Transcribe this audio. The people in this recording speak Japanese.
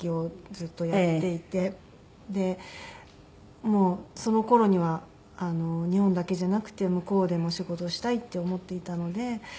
でもうその頃には日本だけじゃなくて向こうでも仕事をしたいって思っていたので。